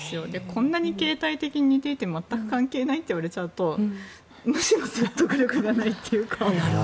こんなに形体的に似ていて全く関係ないと言われちゃうとむしろ説得力がないというか。